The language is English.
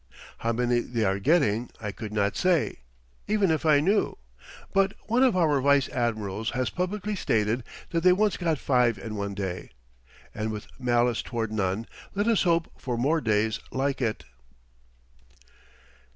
How many they are getting I could not say, even if I knew; but one of our vice admirals has publicly stated that they once got five in one day. And with malice toward none, let us hope for more days like it.